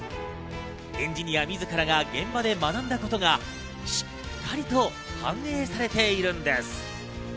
エンジニア自らが現場で学んだことが、しっかりと反映されているんです。